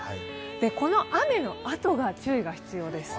この雨のあとが注意が必要です。